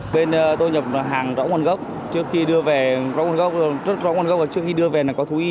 bên tôi nhập hàng rõ nguồn gốc trước khi đưa về rõ nguồn gốc trước khi đưa về là có thú y